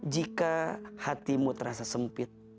jika hatimu terasa sempit